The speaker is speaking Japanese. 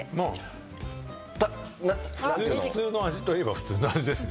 普通の味といえば普通の味ですね。